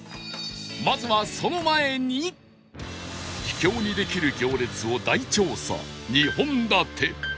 まずは秘境にできる行列を大調査２本立て